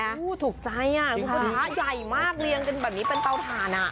อื้มมมมมมถูกใจอ่ะดินะคะใหญ่มากเรียงกันแบบนี้เป็นตัวผ่าน